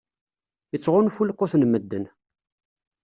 Ittɣunfu lqut n medden.